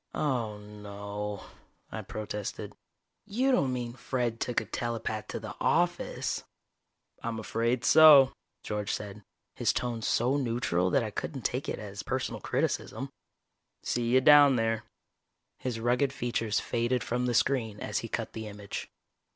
"Oh, no," I protested. "You don't mean Fred took a telepath to the office?" "I'm afraid so," George said, his tone so neutral that I couldn't take it as personal criticism. "See you down there." His rugged features faded from the screen as he cut the image.